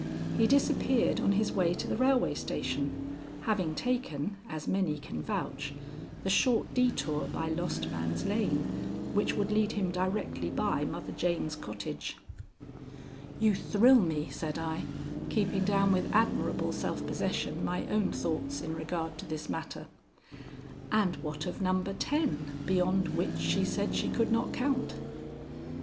He disappeared on his way to the railway station, having taken, as many can vouch, the short detour by Lost Man's Lane, which would lead him directly by Mother Jane's cottage." "You thrill me," said I, keeping down with admirable self possession my own thoughts in regard to this matter. "And what of No. ten, beyond which she said she could not count?"